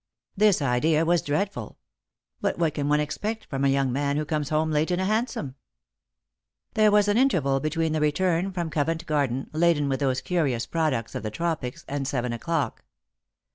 This idea was dreadful. But what can one expect from a young man who comes home late in a hansom ? There was an interval between the return from Covent Garden, laden with those curious products of the tropics, and seven o'clock.